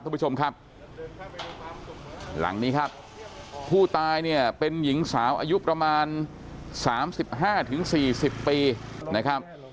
คุณผู้ชมครับหลังนี้ครับผู้ตายเนี่ยเป็นหญิงสาวอายุประมาณ๓๕๔๐ปีนะครับ